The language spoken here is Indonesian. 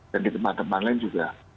dan di tempat tempat lain juga